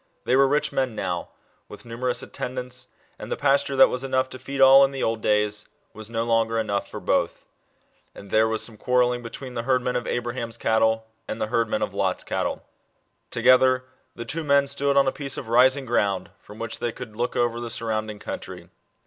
They were rich men now, with numerous atten dants, and the pasture that was enough to feed all, in the old days, was no longer enough for both. And there was some quarrelling between the herd men of Abraham's cattle and the herdmen of Lot's cattle. Together, the two men stood on a piece of rising ground, from which they could look over the nrrounding country.